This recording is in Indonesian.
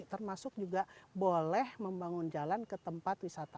termasuk juga boleh membangun jalan ke tempat wisata